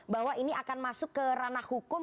bahwa ini akan masuk ke ranah hukum